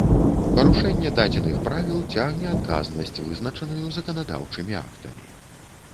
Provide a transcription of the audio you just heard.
Парушэнне дадзеных Правіл цягне адказнасць, вызначаную заканадаўчымі актамі